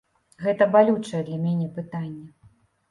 Гэта балючае для мяне пытанне.